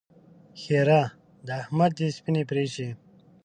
ښېرا: د احمد دې سپينې پرې شي!